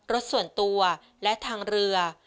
รถส่วนตัวและทางเรือ